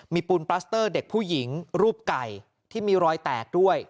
มีปูนปลัสเตอร์เด็กผู้หญิงรูปไก่ที่มีรอยแตกด้วย